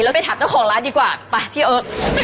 แล้วไปถามเจ้าของร้านดีกว่าไปพี่เออ